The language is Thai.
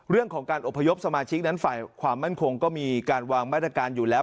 เรื่องของการอบพยพสมาชิกนั้นฝ่ายความมั่นคงก็มีการวางมาตรการอยู่แล้ว